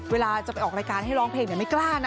เวลาจะไปออกรายการให้ร้องเพลงไม่กล้านะ